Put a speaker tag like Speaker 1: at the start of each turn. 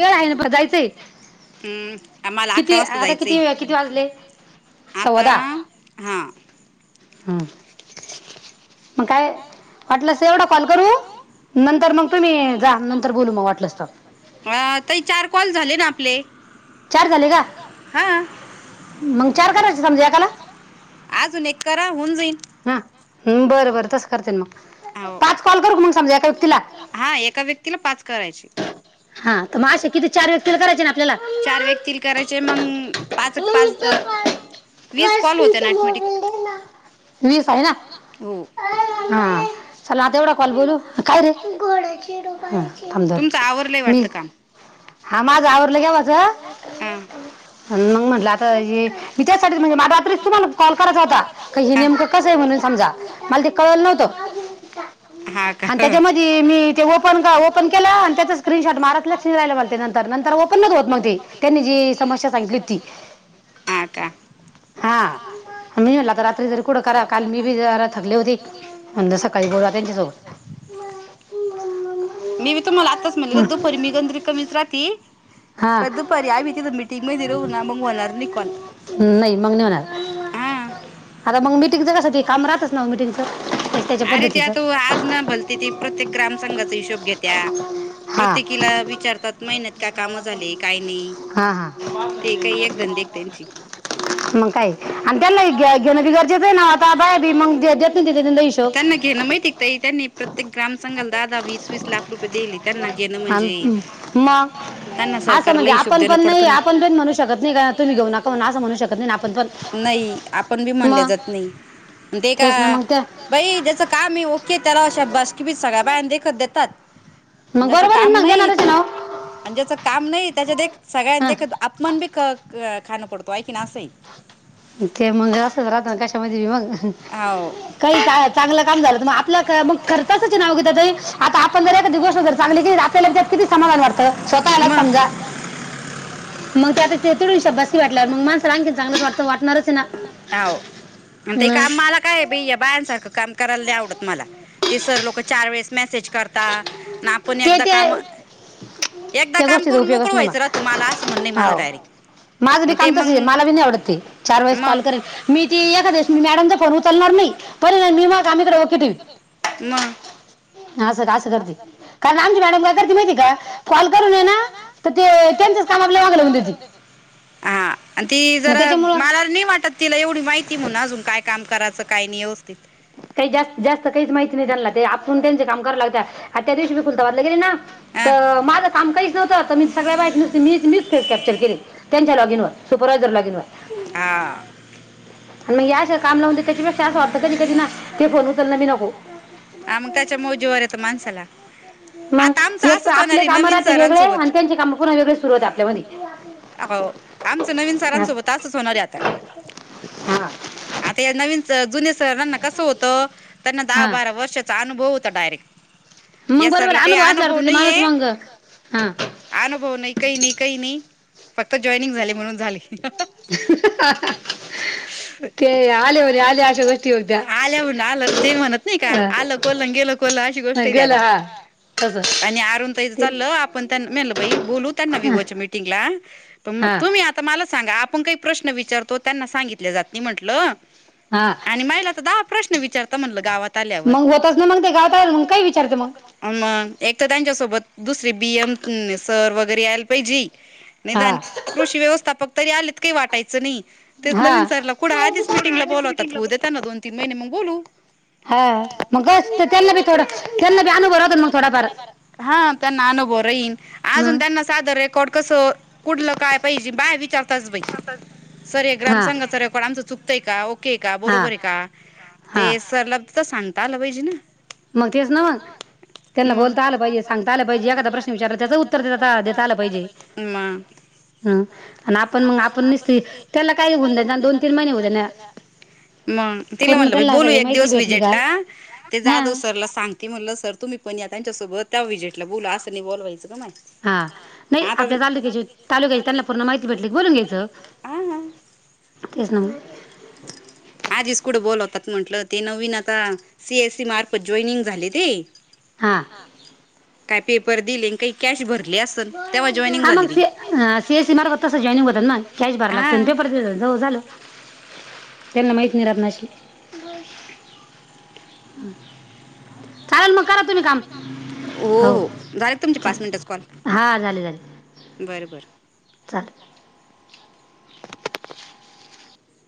Speaker 1: वेळ आहे न परत जायचंय.
Speaker 2: हम्म आम्हाला अकरा वाजता जायचय, किती वाजले?, आता हा.
Speaker 1: हा, मंग काय? वाटलस त एवढा कॉल करू, नंतर मंग तुम्ही जा, नंतर बोलू मग वाटलंस तर.
Speaker 2: हा ताई, चार कॉल झाले ना आपले.
Speaker 1: चार झाले का, मंग चार करायचं समजा एकाला?
Speaker 2: अजून एक करा होऊन जइन.
Speaker 1: हम्म, बर बर तसं करते न मग, पाच कॉल करू का मंग समजा एका व्यक्तीला.
Speaker 2: हा एका व्यक्तीला पाच करायचे.
Speaker 1: हा तर मग अशा किती चार व्यक्तीला करायचे ना आपल्याला?
Speaker 2: चार व्यक्तीला करायचे, मंग पाच क पाच अ
Speaker 1: पाच मिनटं मोबाईल दे ना, वीस आहे ना?, हा चला आता एवढा कॉल बोलू, हा काय रे, घोड्याचे व्हिडीओ पाहायचे, थांब जरा मी.
Speaker 2: हा माझं आवरलं केव्हाच. मंग म्हटलं आता हे तिच्यासाठी म्हणजे म आज रात्रीच तुम्हाला कॉल करायचा होता, हा, की हे नेमक कस आहे म्हणू सांग जा, मला ते कळलं न्हवतं. हा का, त्याच्या मध मी ते ओपन, ओपन केलं न त्याच स्क्रीनशॉट मारतल्यात
Speaker 1: म्हणते नंतर, नंतर ओपनच होत न्हवती त्यांनी जी समस्या सांगितली होती.
Speaker 2: हा मी म्हणलं आता रात्री घरी कुडं करा काल मी बी जरा थकले होते, म्हणल सकाळी बोलू आता ह्यांच्यासोबत. मी बी तुम्हाला आत्ताच म्हणले दुप मी गरदी कमीच राहती, पण दुपारी आम्ही तिथं मिटिंग मध्ये राहू ना मंग होणार नाही कॉल.
Speaker 1: नाही, मंग नाही होणार. आता मंग मिटिंगच कस, ते काम राहतच ना मिटिंगचं.
Speaker 2: अरे त्यात तू आज न भलते ती प्रत्येक ग्राम संंघाचा हिशोब घेत्या. प्रत्येकीला विचारतात, महिन्यात काय काम झाले? काय नाही, हा हा, ते काही एक धंदे का त्यांचे.
Speaker 1: मंग काय आणि त्यांनाही घेणं बी गरजेचं आहे ना आता बाया बी मंग देत नाही त्यांचा त्यांचा हिशोब.
Speaker 2: त्यांना घेणं माहितीये का ताई, त्यांनी प्रत्येक ग्रामसंघाला दहा-दहा, वीस-वीस लाख रुपये देयेलेत. त्यांना घेणं म्हणजे, मंग त्यांना सरकारला हिशोब देणं पडतो ना, आपण नाही म्हणू शकत नाही का तुम्ही घेऊ नका म्हणून असं म्हणू शकत नाही ना आपण पण, नाही. आपण बी म्हणल्या जात नाही, ते का बई ज्याचं काम आहे ओके, त्याला शाबासकी बी सगळ्या बायां देखत देतात. ज्याचं काम नाही आणि ज्याच काम नाही त्याच्या देक सगळ्यांन देखत अपमान बी ख खाणं पडतो आहे की नाही असं आहे.
Speaker 1: ते मंग असच राहत ना, कशामध्ये भी मंग. काही चांगलं काम झालं तर मग आपल्या मग खर खर्चाच हे ना योगिता ताई, आता आपण जर एखादी गोष्ट चांगली केली तर आपण केल त्यात किती समाधान वाटतं, स्वतःला समजा. मंग त्यात तिडून शबासकी म्हंटल्यावर मग माणसाला आणखीन चांगलंच वाटतं वाटणारच ये ना.
Speaker 2: हाव. आणि ते काम मला काय बई या बायांसारखं काम करायला नाही आवडत मला. ते सर लोक चार वेळेस मॅसेज करता न आपण एकदा काम एकदा काम करून मोकळं व्हायचं राहत मला असं म्हणण आहे माझं डायरेक्ट.
Speaker 1: माझं बी काम तसच हे मला बी नाही आवडत ते. चार वेळेस कॉल करत मी ती एखाद वेळेस मी मॅडमचा फोन उचलणार नाही पण मी माझं कामं इकडं ओके ठेवीन.
Speaker 2: मग.
Speaker 1: ह अस का असं करती. कारण आमची मॅडम काय करती माहितीये का? कॉल करून हे ना तर ते त्यांचच कामं आपल्या माग लावून देती.
Speaker 2: हा आणि ती जरा मला नाही वाटत तिला एवढी माहिती म्हणून अजून काय काम कराचं काय नाही व्यवस्थित.
Speaker 1: काही जास्त जास्त काहीच माहिती नाही त्यांना ते आपून त्यांचे काम करू लावत्या. अन त्या दिवशी मी कुलतबादला गेले ना तर माझं काम काहीच नव्हतं तर मी सगळ्या बायांस्नी नुसता मीच मीच कॅपचर केले. त्यांच्या लॉगिन वर सुपरवायझर लॉगिन वरं. आणि म हे असं काम लावून देत्या त्याच्यापेक्षा असं वाटतं कधी कधी ना ते फोन उचलन बी नको.
Speaker 2: म जीवावर येत माणसाला.
Speaker 1: मग‌ एक तर आपले काम राहते वेगळे. आणि त्यांचे काम पुन्हा वेगळे सुरू होते आपल्या मधी.
Speaker 2: हो‌. आमचं नवीन सारांसोबत तसंच होणार आहे आता. आता हे नवीन सर जुने सर सरांना कसं होत. त्यांना दहा-बारा वर्षाचा अनुभव होता डायरेक्ट. या सराला काही अनुभव नाही ये. अनुभव नाही काही नाही काही नही. फक्त जॉइनिंग झाले म्हणून झाले.
Speaker 1: ते आले होत
Speaker 2: आले होते आले असं गुपचूप आल्याहून आलं ते म्हणत नाही का आलं कोलन गेलं को कोल अशी गोष्ट आहे ती आता. आणि अरून ताईच चाललं आपण त्यांन मी म्हंटल बई बोलू त्यांना विवोच्या मिटिं मीटिंगला. पण मग तुम्ही आता आता मला सांगा आपण काही प्रश्न विचारतो त्यांना सांगितले जात नाही म्हंटलं.
Speaker 1: हा.
Speaker 2: आणि महिला तर दहा प्रश्न विचारता म्हणलं गावात.
Speaker 1: मग होतच ना मग ते गावात येल मग काय विचारते मग.
Speaker 2: मग एक तर त्यांच्यासोबत दुसरे बी एम सर वगैरे यायला पाहिजे. निदान कृषी व्यवस्थापक तरी आलेत काही वाटायचं नाही. तेच नवीन सरला कुठं आधीच मिटिंगला बोलावतात होऊ दे त्याना दोन-तीन महिने मग बोलू.
Speaker 1: हा. मगचं त्यांना बी थोडं त्यांना बी अनुभव राहतो ना मग थोडा फार. म
Speaker 2: साध रेकॉर्ड कसं? कुठलं काय? पाहिजे बाय विचारताच बाई. सर हे ग्रामसंघाच रेकॉर्ड आमचं चुकतंय का? का बरोबर आहे का? ते सरला सांगता आलं पाहिजे ना.
Speaker 1: मंग तेच ना मग. त्यांना बोलता आलं पाहिजे सांगता आलं पाहिजे एखादा प्रश्न विचारला त्याचं उत्तर दे देता आला पाहिजे. ह आणि आपण मग आपण निसती त्याला काय होऊन द्या. दोन-तीन महिने होऊ द्या ना. पूर्ण त्यांना सगळी माहिती भेटली का?
Speaker 2: तु सरला सांगती म्हणलं सर तुम्ही पण या त्यांच्यासोबत त्या विजीटला बोलू असं नाही बोलवायचं गं माय. आता. हा.
Speaker 1: तेच ना मग.
Speaker 2: आधीचं कुढं बोलवतात म्हटलं, ते नवीन आता सी एस सी मार्फत जॉईनिंग झाले ते.
Speaker 1: हा.
Speaker 2: काय पेपर दिले न काही.
Speaker 1: हां मग सी सी एस सी मार्फत तसं जॉईनिंग होतात ना. कॅश भराय लागते पेपर जाऊ झालं, त्यांना माहीत नाही रातनाशी. हम्म. [unintelligible]
Speaker 2: हो हो झाले तुमचे पाच मिनिटाचं कॉल.
Speaker 1: हा झाले झाले.
Speaker 2: बरं बरं.
Speaker 1: चालेल.